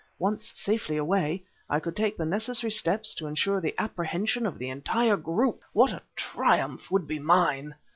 Once safely away, I could take the necessary steps to ensure the apprehension of the entire group. What a triumph would be mine!